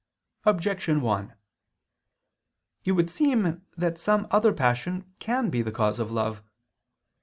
Objection 1: It would seem that some other passion can be the cause of love.